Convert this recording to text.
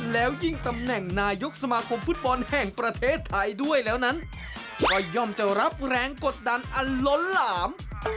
แล้วยิ่งตำแหน่งนายกสมาคมฟุตบอลแห่งประเทศไทยด้วยแล้วนั้นก็ย่อมจะรับแรงกดดันอันล้นหลาม